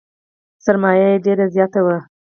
سرمایه یې ډېره زیاته وه .